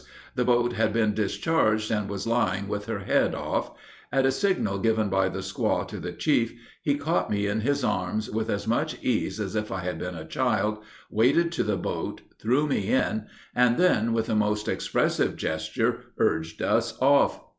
The boat had been discharged, and was lying with her head off. At a signal given by the squaw to the chief, he caught me up in his arms, with as much ease as if I had been a child, waded to the boat, threw me in, and then, with a most expressive gesture, urged us off.